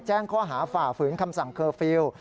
แจ้งข้อหาฝ่าฝืนคำสั่งเคอร์ฟิลล์